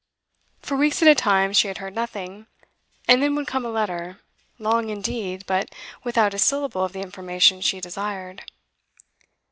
For weeks at a time she heard nothing, and then would come a letter, long indeed, but without a syllable of the information she desired.